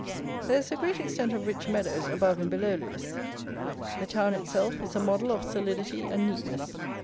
There is a great extent of rich meadows above and below Lewes. The town itself is a model of solidity and neatness.